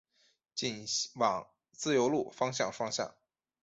仅往自由路方向双向